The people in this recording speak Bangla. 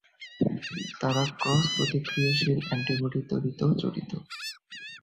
তারা ক্রস-প্রতিক্রিয়াশীল অ্যান্টিবডি তৈরিতেও জড়িত।